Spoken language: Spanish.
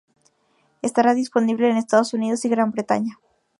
Estará disponible en Estados Unidos y Gran Bretaña.